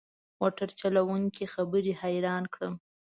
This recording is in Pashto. موټر چلوونکي خبرې حیران کړم.